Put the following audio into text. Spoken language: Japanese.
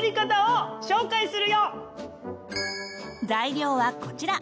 材料はこちら。